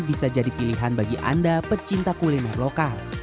bisa jadi pilihan bagi anda pecinta kuliner lokal